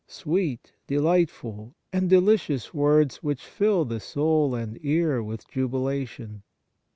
Sweet, delightful, and delicious words which fill the soul and ear with jubilation."